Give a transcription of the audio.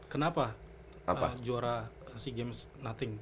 kenapa juara sea games nothing